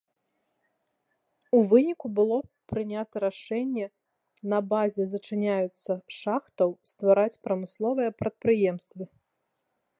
У выніку было прынята рашэнне на базе зачыняюцца шахтаў ствараць прамысловыя прадпрыемствы.